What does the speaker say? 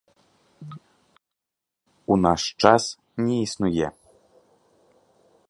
У наш час не існуе.